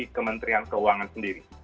kepala kementerian keuangan sendiri